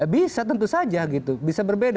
bisa tentu saja gitu bisa berbeda